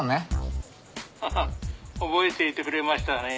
ハハ覚えていてくれましたね？